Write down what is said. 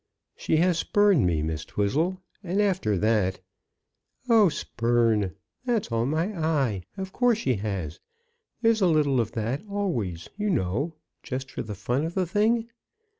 "She has spurned me, Miss Twizzle; and after that ." "Oh, spurn! that's all my eye. Of course she has. There's a little of that always, you know, just for the fun of the thing.